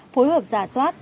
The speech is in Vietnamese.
phối hợp giả soát